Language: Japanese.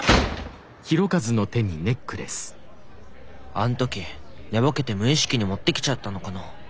あん時寝ぼけて無意識に持ってきちゃったのかな。